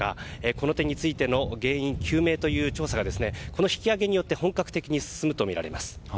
この点についての原因究明という調査がこの引き揚げによって本格的に進むとみられます。